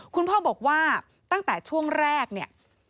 คุณพ่อบอกว่าตั้งแต่ช่วงแรกเนี่ย